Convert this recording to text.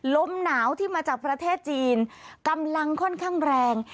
ลมหนาวที่มาจากประเทศจีนกำลังค่อนข้างแรง